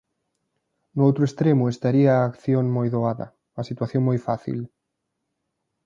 No outro extremo estaría a acción moi doada, a situación moi fácil.